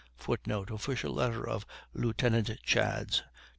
[Footnote: Official letter of Lieutenant Chads, Dec.